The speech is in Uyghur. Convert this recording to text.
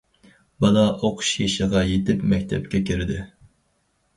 بالا ئوقۇش يېشىغا يېتىپ مەكتەپكە كىردى.